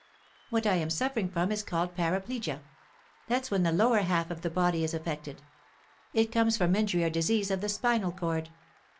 What I am suffering from is called paraplegia; that's when the lower half of the body is affected; it comes from injury or disease of the spinal cord.